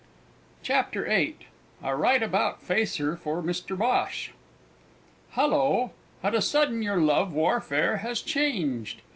CHAPTER VIII A RIGHTABOUT FACER FOR MR BHOSH Halloo! at a sudden your love warfare is changed!